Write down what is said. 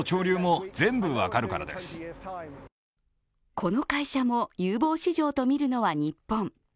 この会社も有望市場とみるのは日本。